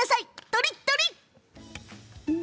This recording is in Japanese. とりっとり！